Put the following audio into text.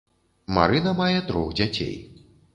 Марына мае трох дзяцей.